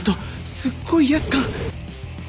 すっごい威圧感。